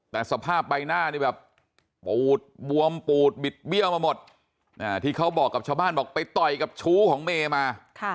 แต่สภาพใบหน้านี่แบบปูดบวมปูดบิดเบี้ยวมาหมดที่เขาบอกกับชาวบ้านบอกไปต่อยกับชู้ของเมย์มา